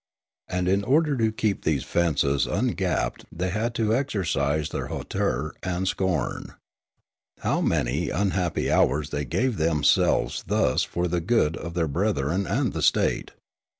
And in order to keep these fences ungapped they had to exer cise their hauteur and scorn. How many unhappy hours they gave themselves thus for the good of their brethren and the state